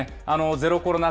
ゼロコロナ